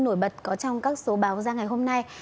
nổi bật có trong các số báo ra ngày hôm nay